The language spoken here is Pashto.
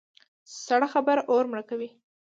سړه خبره اور مړه کوي.